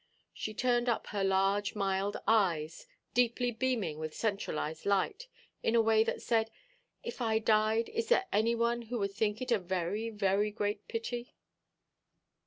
She turned up her large mild eyes, deeply beaming with centralized light, in a way that said, "If I died, is there any one who would think it a very, very great pity?"